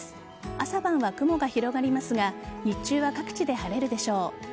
朝晩は雲が広がりますが日中は各地で晴れるでしょう。